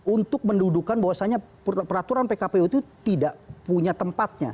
untuk mendudukan bahwasannya peraturan pkpu itu tidak punya tempatnya